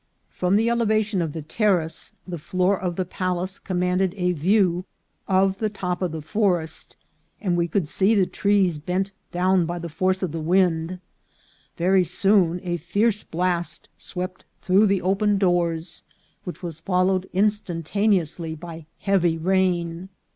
From the elevation of the terrace, the floor of the palace commanded a view of the top of the forest, and we could see the trees bent down by the force of the wind ; very soon a fierce blast swept through the open doors, which was followed instantaneously by heavy rain.